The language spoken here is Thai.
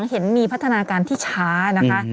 เห็นมีพัฒนาการที่ช้านะคะ